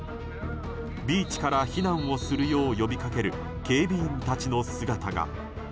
ビーチから避難をするよう呼びかける警備員たちの姿が。